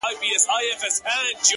• په خپل حسن وه مغروره خانتما وه ,